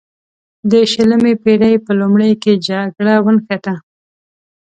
د شلمې پیړۍ په لومړیو کې جګړه ونښته.